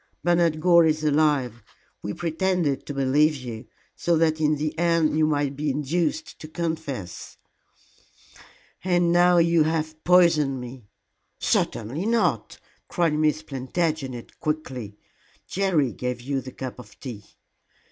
Bernard Gore is alive. We pretended to believe you, so that in the end you might be induced to confess." "And now you have poisoned me." "Certainly not," cried Miss Plantagenet, quickly. "Jerry gave you the cup of tea."